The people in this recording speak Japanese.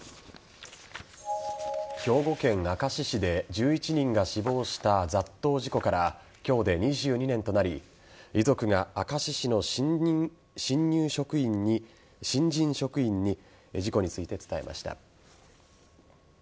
兵庫県明石市で１１人が死亡した雑踏事故から今日で２２年となり遺族が明石市の新人職員に事故について伝えました。